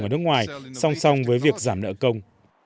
ở nước ngoài song song với việc giảm nợ công